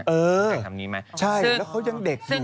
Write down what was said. เออใช่แล้วเขายังเด็กอยู่